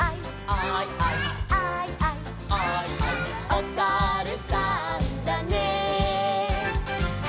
「おさるさんだね」